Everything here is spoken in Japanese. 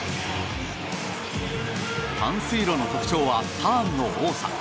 短水路の特徴はターンの多さ。